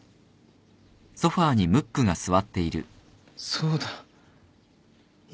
そうだ犬